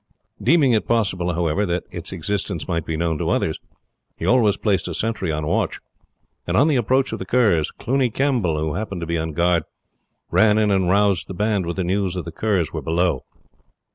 Deeming it possible, however, that its existence might be known to others, he always placed a sentry on watch; and on the approach of the Kerrs, Cluny Campbell, who happened to be on guard, ran in and roused the band with the news that the Kerrs were below.